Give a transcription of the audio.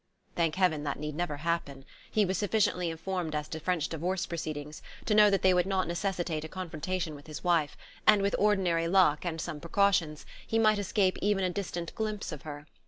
Thank heaven that need never happen! He was sufficiently informed as to French divorce proceedings to know that they would not necessitate a confrontation with his wife; and with ordinary luck, and some precautions, he might escape even a distant glimpse of her.